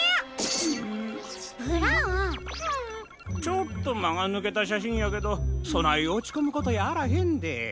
ちょっとまがぬけたしゃしんやけどそないおちこむことやあらへんで。